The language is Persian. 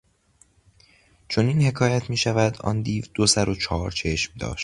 چنین حکایت میشود آن دیو دو سر و چهار چشم داشت.